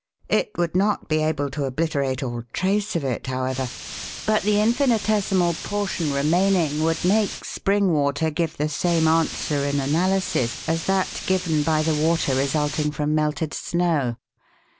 It would not be able to obliterate all trace of it, however, but the infinitesimal portion remaining would make spring water give the same answer in analysis as that given by the water resulting from melted snow.